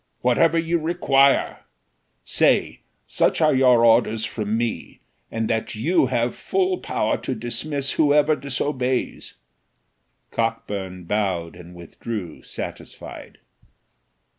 "Whatever you require: say, such are your orders from me, and that you have full power to dismiss whoever disobeys." Cockburn bowed, and withdrew satisfied.